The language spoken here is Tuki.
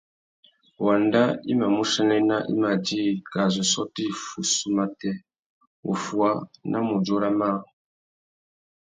Wanda i mà mù chanena i mà djï kā zu sôtô iffussú matê, wuffuá na mudjúra mâā.